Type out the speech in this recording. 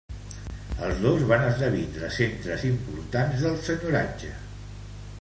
Els dos van esdevindre centres importants del senyoratge.